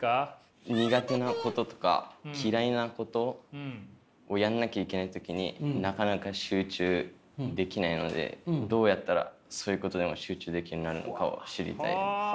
苦手なこととか嫌いなことをやんなきゃいけない時になかなか集中できないのでどうやったらそういうことでも集中できるようになるのかを知りたいです。